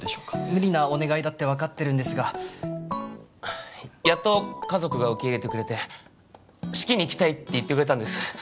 無理なお願いだって分かってるんですがやっと家族が受け入れてくれて式に来たいって言ってくれたんです